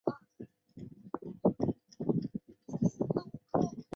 他被选为阁楼当月宠物。